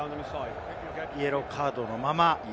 イエローカードのまま。